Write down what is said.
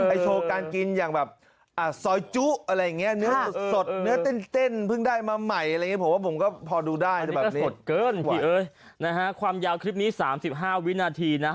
ไอ้โชว์การกินอย่างสอยจุย์อะไรเงี้ย